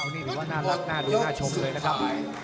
๑๐๔๑๐๕๑๑๒๑๐๙นี่พี่ก็น่ารักหน้าดูหน้าชมเลยนะครับ